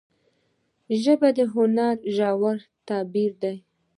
ژبه د هنر ژور تعبیر لري